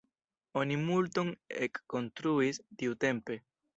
Oni multon ekkonstruis tiutempe.